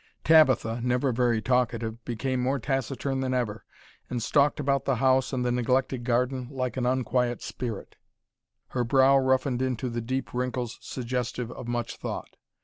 Tabitha, never very talkative, became more taciturn than ever, and stalked about the house and the neglected garden like an unquiet spirit, her brow roughened into the deep wrinkles suggestive of much thought.